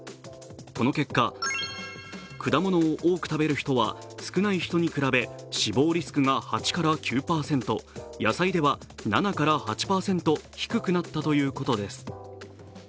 この結果、果物を多く食べる人は少ない人に比べ、死亡リスクが８９％、野菜では７８％低くなったということです。